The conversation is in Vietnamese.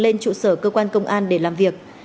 lên trụ sở cơ quan công an để làm việc